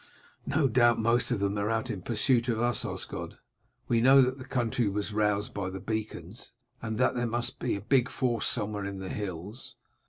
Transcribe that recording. "No doubt most of them are out in pursuit of us, Osgod; we know that the country was roused by the beacons, and that there must be a big force somewhere in the hills.